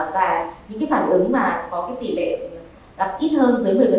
và những phản ứng mà có tỷ lệ ít hơn dưới một mươi